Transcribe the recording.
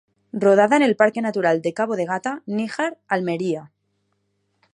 Rodada en el Parque Natural de Cabo de Gata, Níjar, Almería.